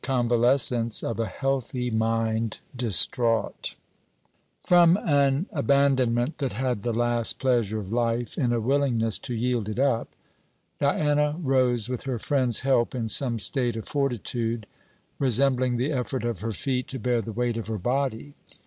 CONVALESCENCE OF A HEALTHY MIND DISTRAUGHT From an abandonment that had the last pleasure of life in a willingness to yield it up, Diana rose with her friend's help in some state of fortitude, resembling the effort of her feet to bear the weight of her body.